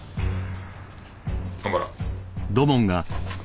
蒲原。